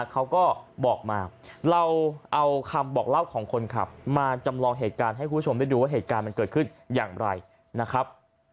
เขาก็บอกมาเราเอาคำบอกเล่าของคนขับมาจำลองเหตุการณ์ให้คุณผู้ชมได้ดูว่าเหตุการณ์มันเกิดขึ้นอย่างไรนะครับ